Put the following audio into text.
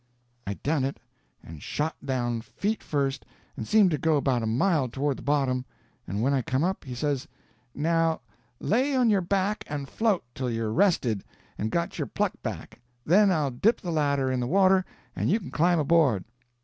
I done it, and shot down, feet first, and seemed to go about a mile toward the bottom; and when I come up, he says: "Now lay on your back and float till you're rested and got your pluck back, then I'll dip the ladder in the water and you can climb aboard."